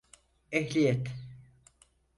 Ehliyet.